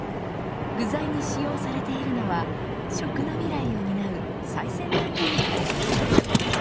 具材に使用されているのは食の未来を担う最先端技術です。